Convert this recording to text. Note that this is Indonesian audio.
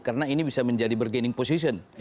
karena ini bisa menjadi ber gaining position